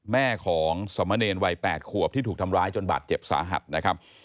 แม่ของสมเนรวัย๘ขวบที่ถูกทำร้ายจนบาดเจ็บสาหัสนะครับ